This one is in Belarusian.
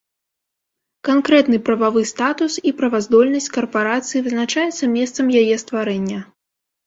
Канкрэтны прававы статус і праваздольнасць карпарацыі вызначаецца месцам яе стварэння.